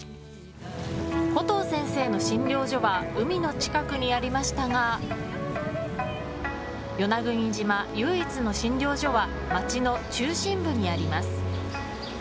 コトー先生の診療所は海の近くにありましたが与那国島唯一の診療所は町の中心部にあります。